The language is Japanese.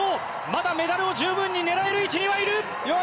まだメダルを十分に狙える位置にはいる！